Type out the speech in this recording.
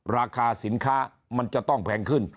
ราคาสินค้ามันจะต้องแพงขึ้น